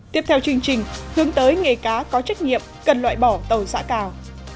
tiếp theo chương trình hướng tới nghề cá có trách nhiệm cần loại bỏ tàu giã cào